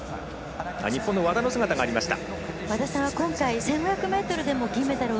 日本の和田の姿ありました。